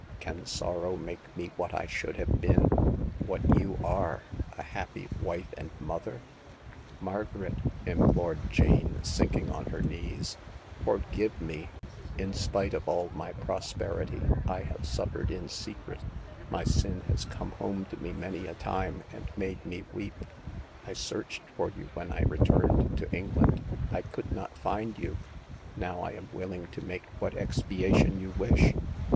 Can sorrow make me what I should have been — what you are — a happy wife and mother ?"Margaret," implored Jane, sinking on her knees, forgive me ! In spite of all my pros perity, I have suffered in secret. My sin has come home to me many a time, and made me weep. I searched for you when I returned to England ; I could not find you. Now I am willing to make what expiation you wish."